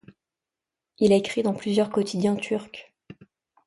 Il a écrit dans plusieurs quotidiens turcs.